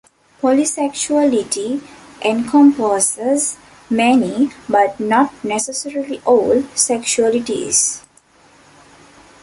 Polysexuality encompasses many, but not necessarily all, sexualities.